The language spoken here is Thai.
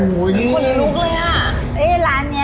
หมามันเห็นผู้ชายตัวขาว